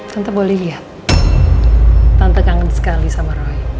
tante boleh lihat tante kangen sekali sama roy